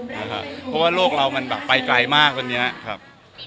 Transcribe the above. เพราะว่าโลกเรามันแบบไปไกลมากวันนี้ครับ